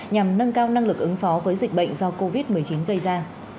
nhằm nâng cao năng lực ứng phó với dịch bệnh do covid một mươi chín gây ra